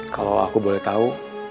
kalau aku boleh tau